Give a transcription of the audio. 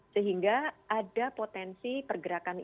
sehingga ada potensi pergerakan